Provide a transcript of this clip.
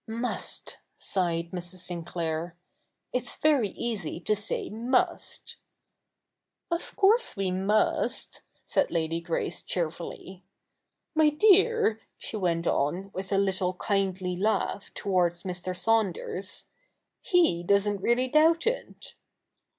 ' Must !' sighed Mrs. Sinclair. ' It"s very easy to say ?ni(st.' 'Of course we must,' said Eady Grace cheerfully. ' My dear,' she went on, with a little kindly laugh, towards Mr. Saunders, ' he doesn't really doubt it.'